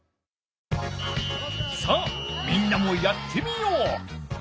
さあみんなもやってみよう！